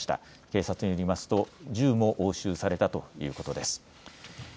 警察によりますと銃も押収されたということです。